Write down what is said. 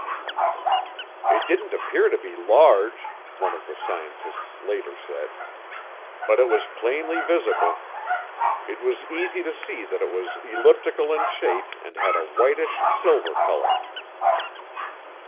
"It didn't appear to be large," one of the scientists later said, "but it was plainly visible. It was easy to see that it was elliptical in shape and had a 'whitish silver color.'"